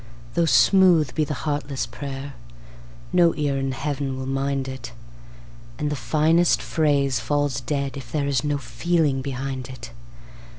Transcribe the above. Though smooth be the heartless prayer, no ear in Heaven will mind it, And the finest phrase falls dead if there is no feeling behind it.